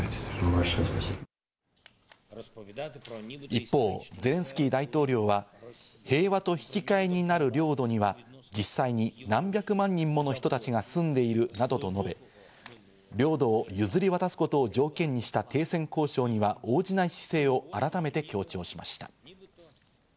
一方、ゼレンスキー大統領は平和と引き換えになる領土には実際に何百万人もの人たちが住んでいるなどと述べ、領土を譲り渡すことを条件にした停戦交渉には応じない姿勢を改めて強調しました。